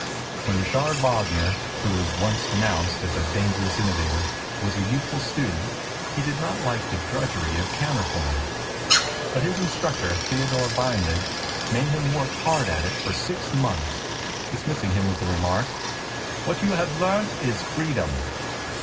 When Richard Wagner, who was once de nounced as a dangerous innovator, was a youth ful student, he did not like the drudgery of counterpoint. But his instructor, Theodore Weinlig, made him work hard at it for six months, dismissing him then with the remark, "What you have learnt is freedom!"